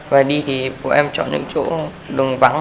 và đi thì bọn em chọn những chỗ đường vắng